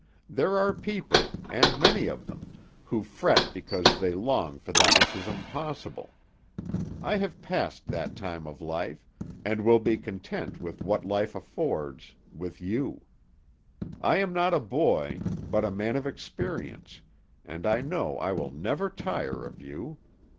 There are people, and many of them, who fret because they long for that which is impossible. I have passed that time of life, and will be content with what life affords, with you. I am not a boy, but a man of experience, and I know I will never tire of you.